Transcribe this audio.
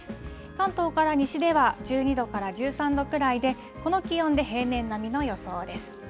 関東から西では１２度から１３度くらいで、この気温で平年並みの予想です。